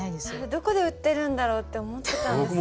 どこで売ってるんだろうって思ってたんです。